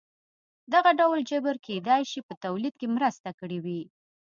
دغه ډول جبر کېدای شي په تولید کې مرسته کړې وي.